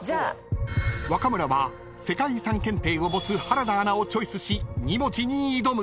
［若村は世界遺産検定を持つ原田アナをチョイスし２文字に挑む］